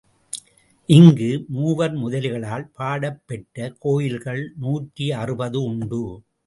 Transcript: இங்கு மூவர் முதலிகளால் பாடப் பெற்ற கோயில்கள் நூற்றி அறுபது உண்டு.